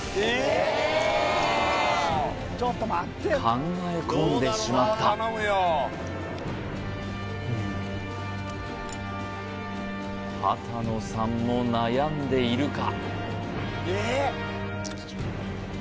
考え込んでしまった秦野さんも悩んでいるか？